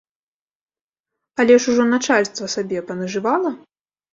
Але ж ужо начальства сабе панажывала!